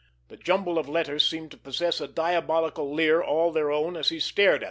The jumble of letters seemed to possess a diabolical leer all their own, as he stared at them.